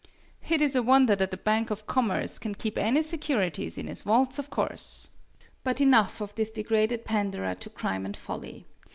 It is a wonder that the Bank of Commerce can keep any securities in its vaults of course! But enough of this degraded panderer to crime and folly.